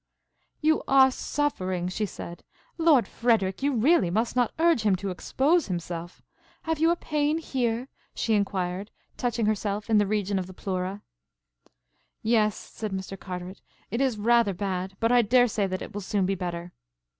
"You are suffering," she said. "Lord Frederic, you really must not urge him to expose himself. Have you a pain here?" she inquired, touching herself in the region of the pleura. "Yes," said Mr. Carteret, "it is rather bad, but I daresay that it will soon be better."